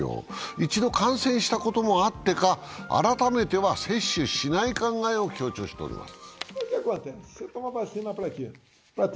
一度感染したこともあってか、改めては接種しない考えを強調しております。